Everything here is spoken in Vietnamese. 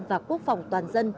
và quốc phòng toàn dân